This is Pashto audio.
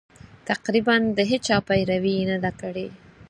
تقریباً د هېچا پیروي یې نه ده کړې.